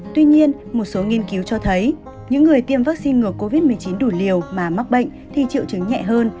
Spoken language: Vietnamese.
tuy nhiên một số nghiên cứu cho thấy những người tiêm vaccine ngừa covid một mươi chín đủ liều mà mắc bệnh thì triệu chứng nhẹ hơn